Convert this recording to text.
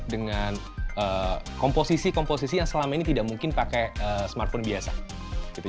dengan komposisi komposisi yang selama ini tidak mungkin pakai smartphone biasa gitu